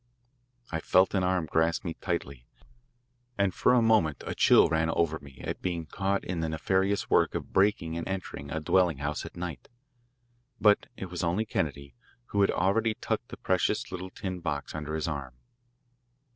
I felt an arm grasp me tightly, and for a moment a chill ran over me at being caught in the nefarious work of breaking and entering a dwelling house at night. But it was only Kennedy, who had already tucked the precious little tin box under his arm.